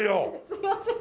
すいません。